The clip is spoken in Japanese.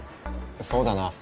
そうだな